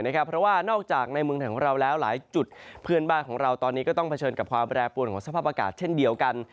เพราะว่านอกจากในเมืองไทยของเราแล้วหลายจุดเพื่อนบ้านของเราตอนนี้ก็ต้องเผชิญกับความแปรปวนของสภาพอากาศเช่นเดียวกัน